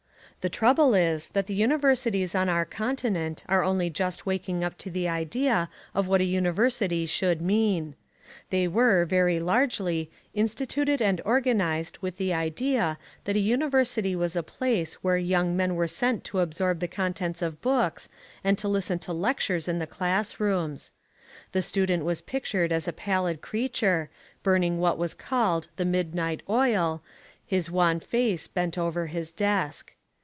The trouble is that the universities on our Continent are only just waking up to the idea of what a university should mean. They were, very largely, instituted and organised with the idea that a university was a place where young men were sent to absorb the contents of books and to listen to lectures in the class rooms. The student was pictured as a pallid creature, burning what was called the "midnight oil," his wan face bent over his desk.